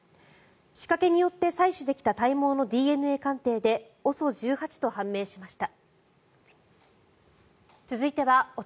仕掛けによって採取できた体毛のＤＮＡ鑑定でＯＳＯ１８と判明しました。